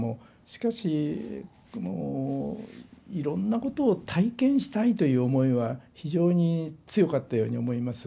しかしいろんなことを体験したいという思いは非常に強かったように思います。